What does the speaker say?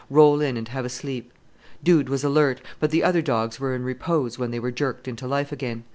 Roll in and have a sleep." Dude was alert, but the other dogs were in repose when they were jerked into life again.